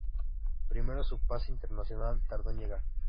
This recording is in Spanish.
Primero su pase internacional tardó en llegar.